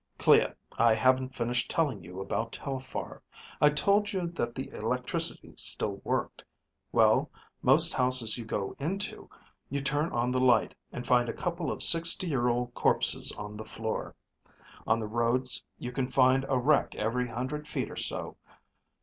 "Clea, I haven't finished telling you about Telphar. I told you that the electricity still worked. Well, most houses you go into, you turn on the light and find a couple of sixty year old corpses on the floor. On the roads you can find a wreck every hundred feet or so.